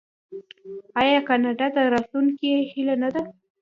آیا کاناډا د راتلونکي هیله نه ده؟